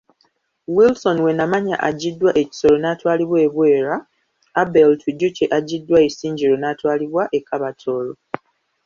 Wilson Wenamanya aggiddwa e Kisoro n'atwalibwa e Bwera, Abel Twijukye aggiddwa Isingiro n'atwalibwa e Kabatooro.